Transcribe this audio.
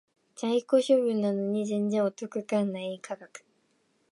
在庫処分なのに全然お得感ない価格